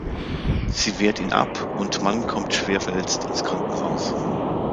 Sie wehrt in ab und Mann kommt schwer verletzt ins Krankenhaus.